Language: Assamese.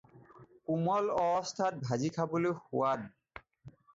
কোমল অৱস্থাত ভাজি খাবলৈ সোৱাদ।